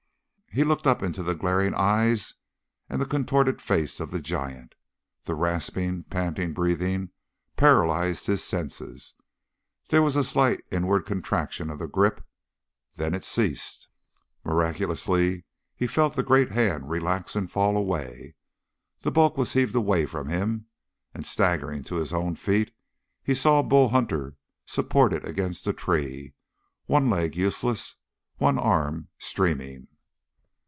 He looked up into the glaring eyes and the contorted face of the giant; the rasping, panting breathing paralyzed his senses. There was a slight inward contraction of the grip; then it ceased. Miraculously he felt the great hand relax and fall away. The bulk was heaved away from him, and staggering to his own feet, he saw Bull Hunter supported against a tree, one leg useless, one arm streaming.